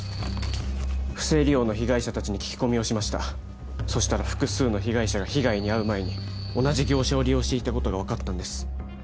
不正利用の被害者達に聞き込みをしましたそしたら複数の被害者が被害に遭う前に同じ業者を利用していたことが分かったんです